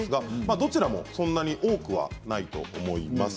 どちらもそんなに多くはないと思います。